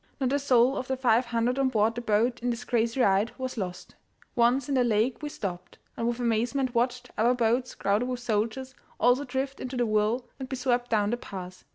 Not a soul of the five hundred on board the boat in this crazy ride was lost. Once in the lake we stopped, and with amazement watched other boats, crowded with soldiers, also drift into the whirl and be swept down the pass.